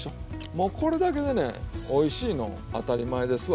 もうこれだけでねおいしいの当たり前ですわ。